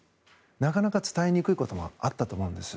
なかなか伝えにくいこともあったと思うんです。